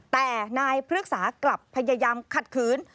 แต่นายพฤกษากลับพยายามขัดขืน